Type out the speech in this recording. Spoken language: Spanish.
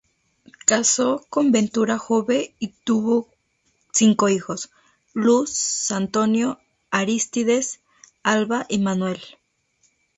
Casó con Ventura Jove y tuvo cinco hijos: Luz, Antonio, Arístides, Alba y Manuel.